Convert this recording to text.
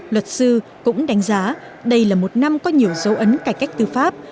luật sư cũng đánh giá đây là một năm có nhiều dấu ấn cải cách tư pháp